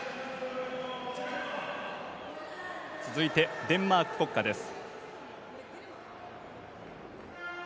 続いてデンマーク国歌です。